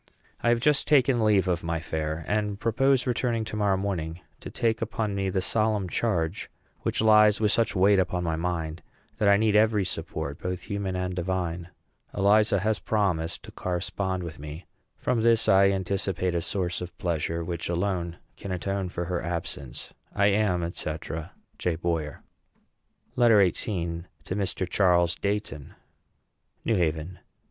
I have just taken leave of my fair, and propose returning to morrow morning to take upon me the solemn charge which lies with such weight upon my mind that I need every support, both human and divine. Eliza has promised to correspond with me. From this I anticipate a source of pleasure which alone can atone for her absence. I am, &c., J. BOYER. LETTER XVIII. TO MR. CHARLES DEIGHTON. NEW HAVEN.